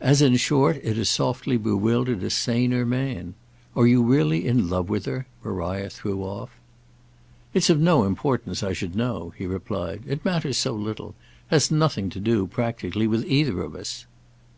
"As in short it has softly bewildered a saner man. Are you really in love with her?" Maria threw off. "It's of no importance I should know," he replied. "It matters so little—has nothing to do, practically, with either of us."